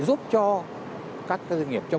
giúp cho các cái doanh nghiệp trở lại